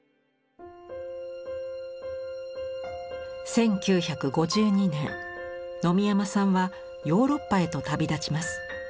１９５２年野見山さんはヨーロッパへと旅立ちます。